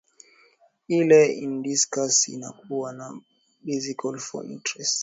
ile anadiscuss inakuwa tu basically for the interest ya